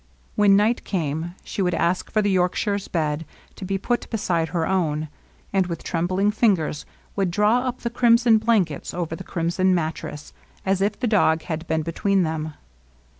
When night came she would ask for the Yorkshire's bed to be put beside her own, and with trembling fin gers would draw up the crimson blankets over the crimson mattress^ as if the . dog had been between them.